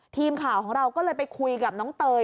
ทีมข่าวของเราก็เลยไปคุยกับน้องเตย